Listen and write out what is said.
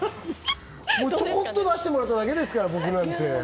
ちょこっと出してもらっただけですから、僕なんて。